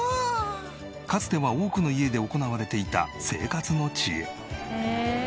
かつては多くの家で行われていた生活の知恵。